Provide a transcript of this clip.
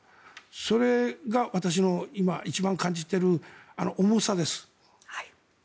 それが私の今、一番感じている重さです。